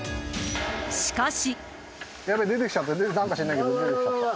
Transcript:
しかし。